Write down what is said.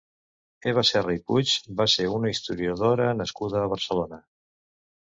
Eva Serra i Puig va ser una historiadora nascuda a Barcelona.